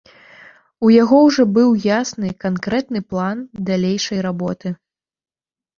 У яго ўжо быў ясны, канкрэтны план далейшай работы.